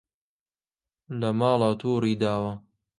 لە ماڵا توڕی داوە